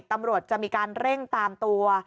ตำรวจจะมีการเร่งตามตัว